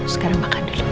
sekarang makan dulu yes